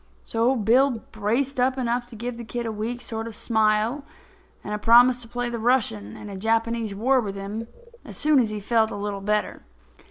So Bill braced up enough to give the kid a weak sort of a smile and a promise to play the Russian in a Japanese war with him is soon as he felt a little better.